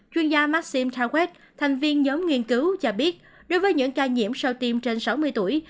chuyên gia maxim tawet thành viên nhóm nghiên cứu cho biết đối với những ca nhiễm sau tim trên sáu mươi tuổi